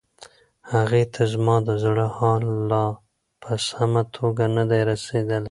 هغې ته زما د زړه حال لا په سمه توګه نه دی رسیدلی.